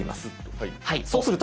はいそうすると！